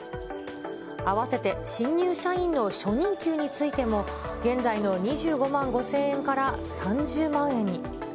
併せて新入社員の初任給についても、現在の２５万５０００円から３０万円に。